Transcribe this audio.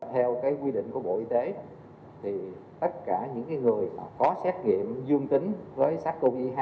theo quy định của bộ y tế thì tất cả những người có xét nghiệm dương tính với sars cov hai